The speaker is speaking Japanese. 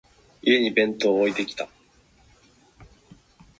リライトして